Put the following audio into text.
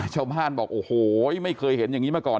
ชาวบ้านบอกโอ้โหไม่เคยเห็นอย่างนี้มาก่อน